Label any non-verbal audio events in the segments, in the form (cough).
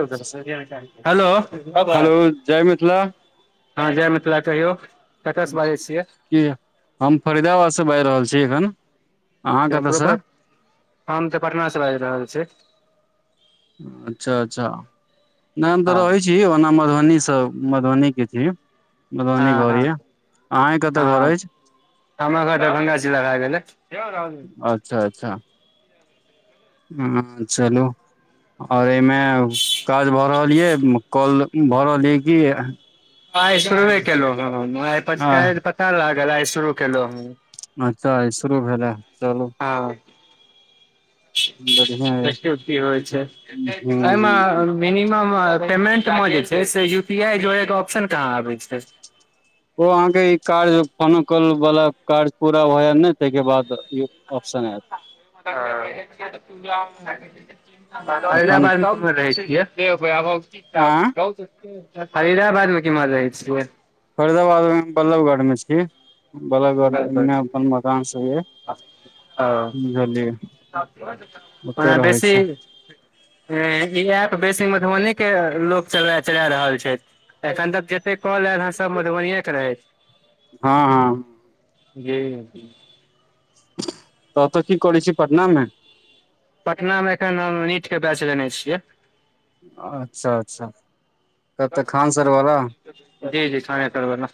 उधर से hello hello जय मिथिला हँ जय मिथिला कहियौ कतयसँ बाजै छियै की हम फरीदाबादसँ बाजि रहल छी एखन अहाँ कतयसँ परोपर हम तऽ पटना से बाजि रहल छी अच्छा अच्छा नहि हम तऽ हँ रहै छी ओना मधुबनीसँ मधुबनीके छी मधुबनी हँ घर हँ यए अहाँके कतय घर अछि तामघाट दरभङंगा जिला भ गेलै अच्छा अच्छा ह्म चलू आओर एहिमे काज भऽ रहल यै कौल लौगिन भऽ रहल यै क आय शुरुए केलहु ह पता लागल आइ शुरू केलहु ह अचछा इ शुरू भेलै चलू आ बढ़िआँ य देखियो की होय छै ह ह मे मिनिमम पेमेंट मे जे छै से यू पी आई जोड़े के ऑप्शन कहाँ आबे छै ओ अहाँके ई काज फोनो कॉल वला काज पूरा होय ने ताहिके बाद ई ऑप्शन एत अ अखन हैदराबादमे रहै छै कह आँ फरिदाबादमे की मजाई छै फरीदाबाद बल्लभगढ मे छी बाल गारडन मे अपन मकान सब ये ओ बुझलियै ओते ओ रहै बेसी छी ह ई ऐप बेसी मधुबनी के लोक चले चला रहल छै एखन तक जते कहलल ह सब मधुबने के रहै छै हँ हँ गब न ततऽ की करै छी पटना मे पटना मे एखन हम नीट के बैच लेने छियै अच्छा अच्छा कतऽ खान सर वाला जी जी समय करब न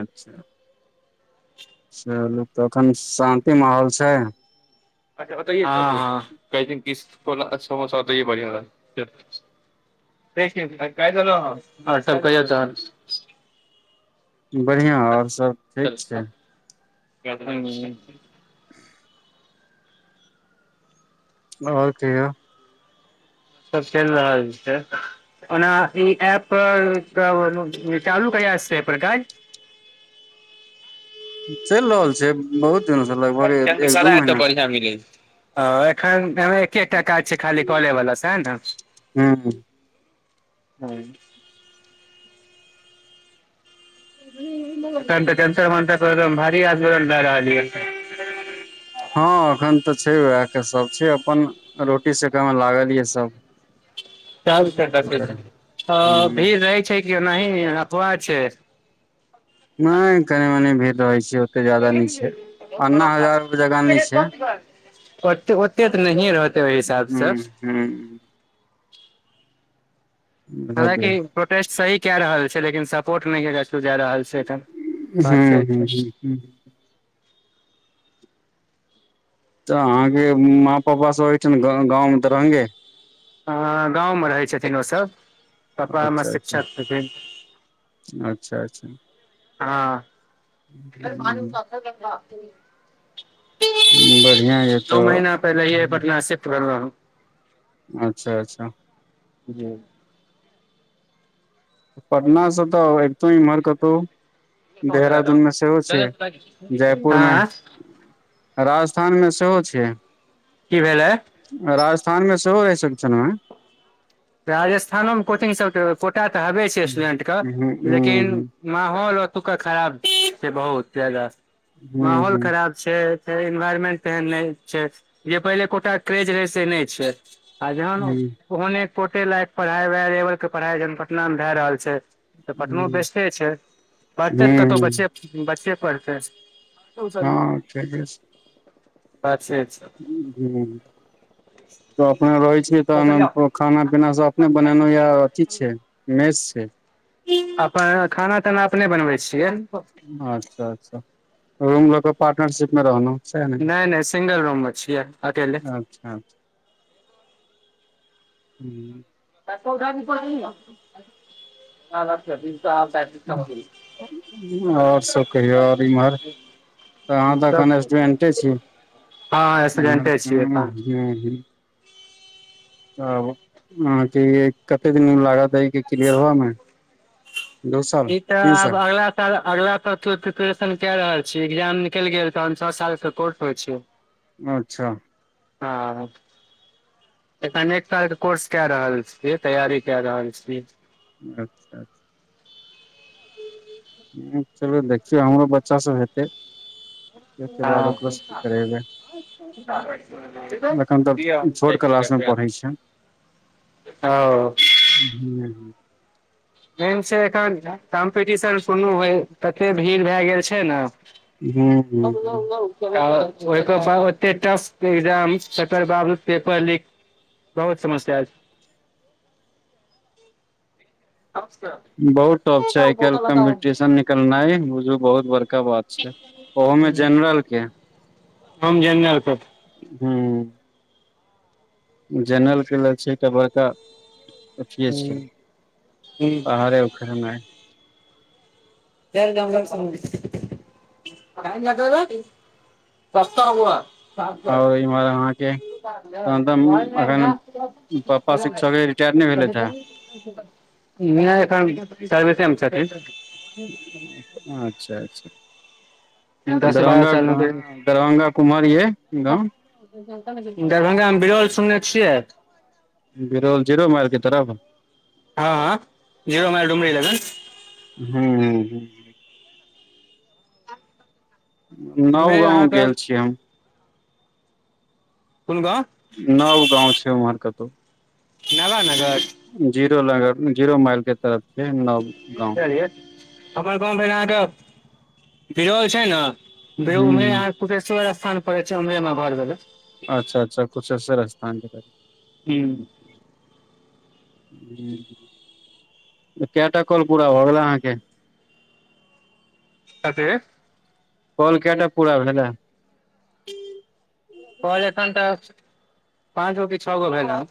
अच्छा चलु तऽ एखन शान्ति माहौल छै अच्छा बता क किस को समोसा हो त बढ़िआ रह (unintelligible) आऔर सब कहयो तहन बढ़िया आओर सब ठीक छै (unintelligible) (inaudible) ओर क सब खेल रहलछै ओना ई ऐप चालू कहिया से छै अई पर काज चइल रहल छै बहुत दिनसँ लगभग एक दू महीनासँ दिल्ली हं एखन एके एकटा काज छै खाली कॉल ले वला सेहे ने से हूँ हँ तऽ तऽ कैंसर मान भारी आमरण लए रहल य (unintelligible) हँ एखन तऽ छै उएह के सब छै अपन रोटी सेके में लागल ये सब की करबै च हूँ भीड़ रहै छै कि ओनाह अफवाह छय नहि कनी मनी भे रहै छय जादा नय छै अन्ना हजार जाका नय छै ओते ओते त नय रहत ओ हिसाब सँ हं हालांकि बुझलियै कि प्रोटेस्ट सही कए रहल छै लेकिन सपोर्ट नय केछ जा रहल छै एखेन हूँ हूँ हूँ तऽ अहाँके माँ पापा सब होठ ने गाँंवं तऽरंगे अ गाँवमे रहै छथिन ओसब पपा हम अच्छा अच्छा शिक्षक छथिन अच्छा अच्छा हँ पान उ बढ़िआँ ये नौ तऽ महिना पहिले पटना शिफ्ट केलउ अच्छा अच्छा जी पटनासँ तऽ तऽ एकदो इमरकतौ देहरादूनमे सेहो छै जयपुर में आँय राजस्थानमें सेहो छियै की भेलै राजस्थान में सेहो रहै सकन राजस्थानो में कोचिंगसबके कोटा तऽ हेवे छै स्टूडेंटके हूँ हूँ लेकिन हूँ माहौल ओतुका खराब छय बहुत जादा हूँ माहौल हूँ खराब छै फेर एनवायरमेंट तेहन नहि छै जे पहिले कोटा क्रेज रहे से नय छय आ जहन ओहने कोटे लायक पढ़ाइ व लेवल के पढ़ाइ जखन पटना मे भए रहल छय तऽ पटनो हूँ बेस्ट छै पढ़तै त हूँ कतहु बच्चे पढ़तै हँ ठीके अच्छे छय हं तऽ अपने रहै छीियै तऽ अनन्तपुर खाना पीना सब अपने बनेलो या अथी छय मेज छय अपन खाना ताना अपने बनबै छियै अच्छा अच्छा र पार्टनरशिप में रहलहु नय नय सिंगल रूम में छियै अकेले अच्छा ह (inaudible) तऽ ओ भी प लख दी (unintelligible) आओर सब कहियौ ओर इमहर तऽ अहाँ तऽ एखन स्टूडेंटे छी हँ स्टूडेंटे छियै तऽ (inaudible) तब अहाँके कते दिन लागत ऐ के क्लियर हुए में ई त आब साल अहाँ अगला तकत प्रिपेरेशन क रहल छी एग्जाम निकल गेल तन छओ साल के कोर्स पर छीए (inaudible) अच्छा (unintelligible) अखन एक साल के कोर्स कए रहल छ छिए तैयारी क रहल छी अच्छ अच्छ (inaudible) ह चलू देखियौ हमरो बच्चा सब हेतै (unintelligible) ओहिके बाद हाँ ओकरो सब करेबै एखन तऽ छोट क्लास मे (unintelligible) (unintelligible) पढ़ै छै हूँ (unintelligible) हू मेन से एखन कंपटीशन हो तते भीड़ भए गेल छै ने (unintelligible) हूँ ओहिके बाद ओते टफ एग्जाम तेकर बाद पेपर लिक बहुत समस्या छै (unintelligible) बहुत टॉप छै आइ काइल कम्पिटिशन निकलनाइ बुझू बहुत बड़का बात छै ओहो मे जनरल के हम जन (unintelligible) (unintelligible) जनरल के ल छै एकटा बता (inaudible) अथीये छै पहाड़े खनए (unintelligible) सस्त रहगु (unintelligible) ह और ईर अहाँके (unintelligible) तहन तऽ न एखन पापा शिक्षक रिटायर नहि भेलथि अखेन प्राइवेट मे छथि (inaudible) अच्छा अच्छा दस बारह दरभंगा साल नौकरी दरभंगा कुम्हर य गाँव दरभंगा मे बिरौल सुनने छियै बिरौल जीरो माइल के तरफ हँ हँ जीरो माइल डुमरी लगन देनै हँ हँ हू ह नव उम्हरे गाँव अहाँके गेल छी हम कोन ग नव गाँव छै वहाँ कतहु नावनगर जीरो लागत जीरो माइल के तरफ छै नव किय गाँव कहलिए हमर गाँव रहे बिरोल छै ने बे उम्हे हूं या कुटेश्वर स्थान पड़े छै उम्हे में न भैले अच्छ अच्छ कुशेश्वर स्थान के तरफ (unintelligible) तऽ केटा कॉल पूरा भऽ गेलै अहाँकेँ। कथि कल केटा पूरा हा कल एखन तऽ पाँच गो कि छओ गो भेलय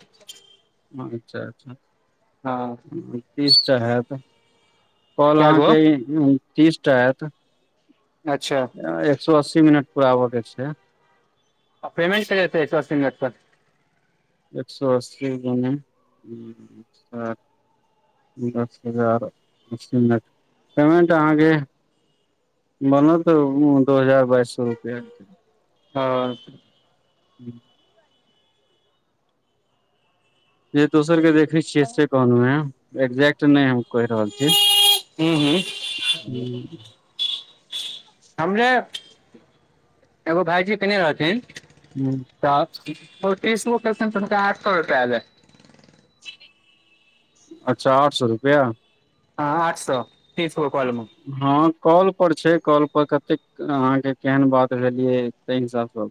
अच्छा, अच्छा। हँ। तीसटा हत कल कै गो अहाँकेँ तीसटा हत अच्छा। एमे एक सो अस्सी मिनट पूरा बय के छै पेमेट करेयतै ससरिर एक सऽ अस्सी गुने सात दस हजारसी मिनट पेमेन्ट अहाँकेँ बोल तऽ दो हजार बाइस सौ रुपया। हँ। हु। जे दोसर के देखै छियै से कहलहु हे एक्जेक्ट नहि हम कहि रहल छै हू, हू। हमरे एगो भायजी कने रथिन हूँ। तऽ इस कस तन आठकपै अै अच्छा आठ सऽ रुपआ हँ, आठ सए तीस कलमे हँ कॉल पर छै कॉल पर कतेक अहाँकेँ केहन बात भेलियै ताहि हिसाबसँ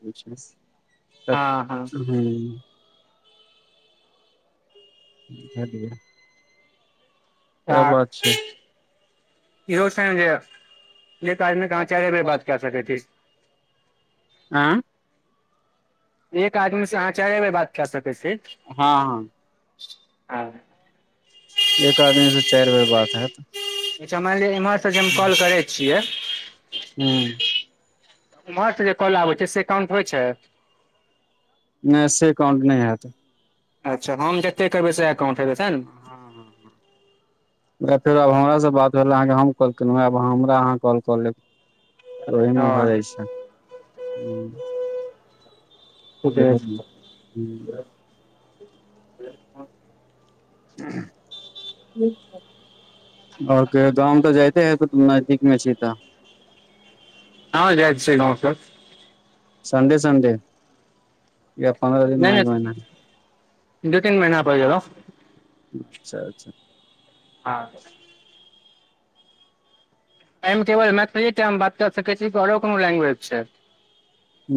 तऽ हँ हँ हूँ भट चार। ई रोज लऽ आदम कहाँ चारे बजे बात कर सकैथी आ एक आदमी सँ अहाँ चारि बेर बात कए सकै छै हँ आ। एक आदमी सँ चारि बेर बात है त अच्छा मानि लिआ इम्हरसँ जे हम कॉल करै छियै हूँ। उम्हर से जे कॉल आबै छै सँ काउंट होइ छै नै से काउंट नहि हैत अच्छा, हम जतेक कहबै से। काउंत हैते से ने हँ, हँ, हँ। फेर आब हमर से बात भेल अहाँकेँ हम कॉल केलहूँ आब हमरा अहाँ कॉल कऽ लेब (inaudible) ओहिमे हँ भऽ जाइ छै ह, बस (unintelligible) आओर कहियो गाव तऽ जते है तऽ नजदीक मे छी तऽ आहाँ जा छिये गाँव सब संडे संडे इहाय पंद्रह दिन नहि मे एक महिना नहि दू तीन महिना पर गेलौं हूँ अच्छा अच्छा हँ ऐयमऽ केवल मैथिली टा म बात कर सकै छी की आओरो कोनो लैंग्वेज छै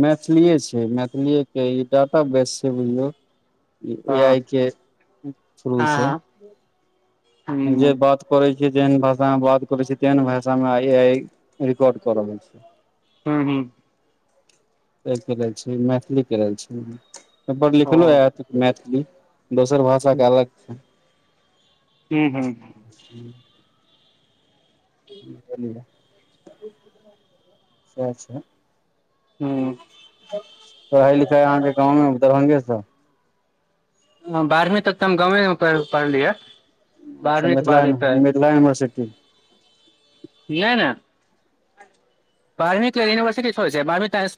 मैथिलीे छै मैथिलीे के ई डाटा बेस छै बुझियौ ई ए हँ आइ के थ्रू छै हँ हँ जे हूँ बात करे छी जेहन भाषा मे बात करे छी तेहन भाषा मे ए आइ रिकॉर्ड कर रहल छै हू हूँ तय कऽ लेल छै ई मैथिलीे के लेल छै ओपर लिखलो ओ हैत मैथिली दोसर भाषाके अलग छै हू हू हूँ (inaudible) सेह छैय हूँ पढ़ाई लिखा अहाँके गाँंव मे दरभंगे सऽ बारहवीं तक तऽ हम गावमे मे पढ़लिये अच्छा मिथिला मिथिला यूनिवर्सिटी नै नेय बारमी के यूनिवर्सिटी थोरे छै बारमी त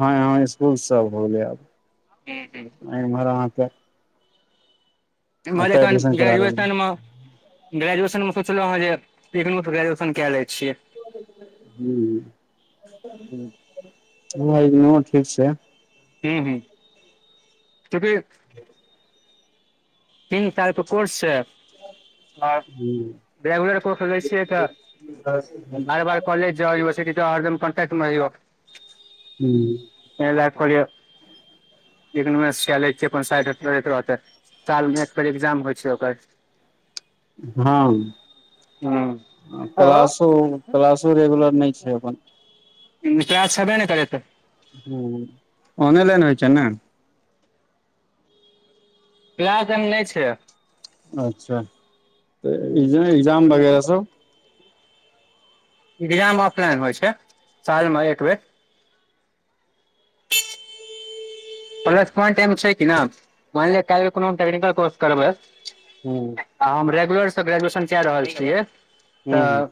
हँ ह स्कूल सब हो गेलै आब इमहर अहाँके अमहर एतऽ जखन एडमिशन करा रहल ग्रेजुएशन मऽ ग्रेजुएशन मे सोचलहुँ हँ जे ग्रेजुएशन इंगनू सऽ कए लै छियै हू इंगनू ओ ठीक छै हू हू चुकी तीन सातकऽ कोर्स छै आ हूं (unintelligible) कऽ लै छियै तऽ बार बार कॉलेज जाऊ यूनिवसिर्टी जाउ हरदम कोंट्क मर रहियो इ लिय सिया ले छ अपन साइड रहते सालमे एक बेर एग्जाम होइ छै ओकर हँ हूँ आँय हौ क्लासो क्लासो रेगुलर नहि छै अपन क्लास छेबे ने करै तऽ हूं ऑनेलेन होइ छै नऽ क्लास एयमऽ नय छै अच्छा तऽ एग्जाम वगैरह सब एग्जाम ऑफलाइन होइ छै साल मऽ एक बेर प्लस पॉइंट एनय मऽ छै कि नय माइनलिए कालयकऽ हम कोनो टेक्निकल करबै हूँ आ हम रेगुलरसँ ग्रेजुएशन कए रहल छियै हूँ तऽ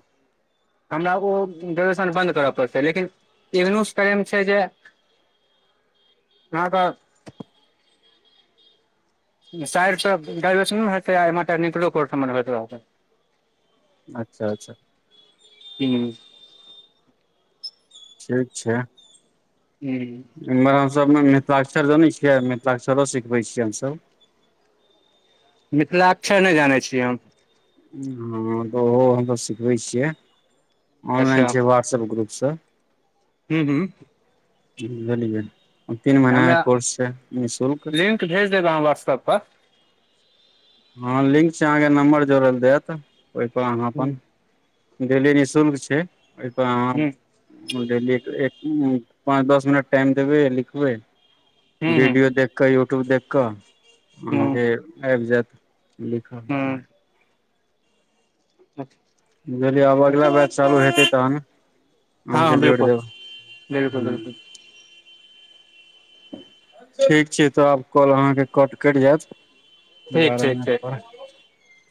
हमरा ओ ग्रेजुएशन बन्द करऽ पड़ते लेकिन एगनो करे मे छै जे आहाँक साइड सय ग्रेजुएशनो हेतै आ ऐमहर टेक्निकलो कोर्स भेट रहत छैय अच्छा अच्छा हूँ ठीक छय हूँ एम्हर हमसब मिथिलाक्षर जानै छियै मिथिलाक्षरो सिखबै छियै हमसब मिथिला के छय नय जानै छियै हम हँ तऽ ओहो हमसब सिखबै छियै अच्छा ऑनलाइन छय व्हाट्सएप ग्रुपसँ हूँ हूँ लेलियै तीन महिना हमरा कोर्स छै निःशुल्क लिंक भेज दे ह वहट्सअप पर हँ लिंक छै अहाँके नम्बर जोड़ैल जात ओहिपर अहाँ हूँ अपन डेली निःशुल्क छय ओहिपर अहाँ हूँ डेली ए एक पाँच दस मिनट टाइम देबै अ लिखबै हूँ हूँ वीडियो देख कऽ यूट्यूब देख कऽ हूँ अहाँके आयब जैत लिखल हूँ हट बुझलियै आब अगिला बैंच चालू हेतै तहन अहाँके हँ जोड़ बिल्कुल देब बिल्कुल हमहुं बिल्कुल ठीक छै तऽ आब कॉल अहाँके कट करि जैत ठीक बारह ठीक मिनट ठीक पर